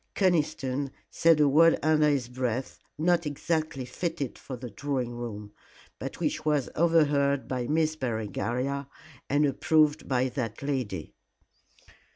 Conniston said a word under his breath not exactly fitted for the drawing room, but which was overheard by Miss Berengaria and approved by that lady.